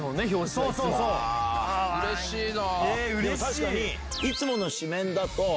うれしいな！